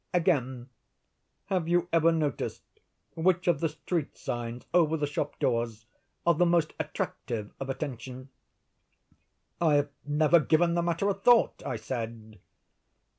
Again: have you ever noticed which of the street signs, over the shop doors, are the most attractive of attention?" "I have never given the matter a thought," I said.